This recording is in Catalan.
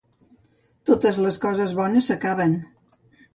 Totes les coses bones s'acaben.